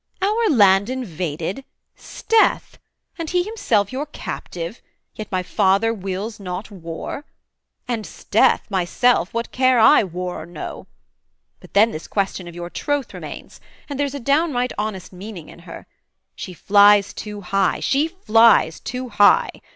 'Our land invaded, 'sdeath! and he himself Your captive, yet my father wills not war: And, 'sdeath! myself, what care I, war or no? but then this question of your troth remains: And there's a downright honest meaning in her; She flies too high, she flies too high!